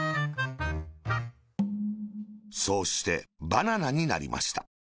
そうして、バナナになりました。